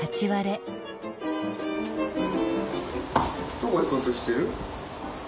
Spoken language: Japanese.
どこ行こうとしてる？